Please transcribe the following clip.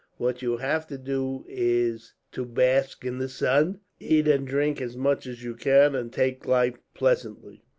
What you have to do is to bask in the sun, eat and drink as much as you can, and take life pleasantly.